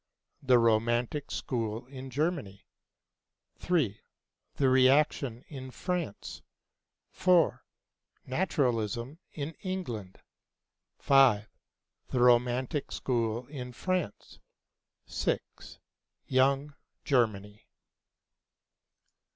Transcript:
'The Romantic School in Germany'; 3. 'The Reaction in France'; 4. 'Naturalism in England'; 5. 'The Romantic School in France'; 6. 'Young Germany.'